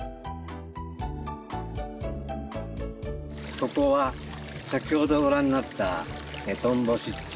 ここは先ほどご覧になったトンボ湿地